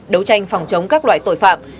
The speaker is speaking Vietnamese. đấu tranh phòng trống các loại tội phạm